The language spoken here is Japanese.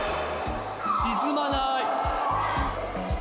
沈まない。